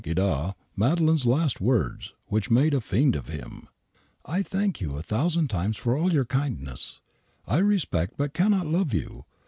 Guidard Madeleine's last words, which made a fiend of him: ^ "I thank you a thousand times for all your kindness. I respect but cannot love you.